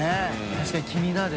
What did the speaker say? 確かに気になる。